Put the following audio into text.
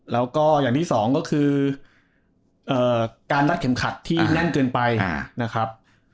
แล้วก็อย่างที่สองก็คือการรัดเข็มขัดที่แน่นเกินไปนะครับ